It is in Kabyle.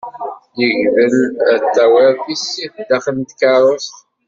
Yegdel ad d-tawiḍ tissit daxel n tkerrust.